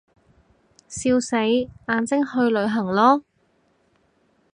笑死，眼睛去旅行囉